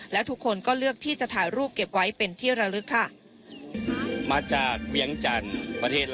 แล้วทุกคนก็เลือกที่จะถ่ายรูปเก็บไว้เป็นที่ระลึกค่ะ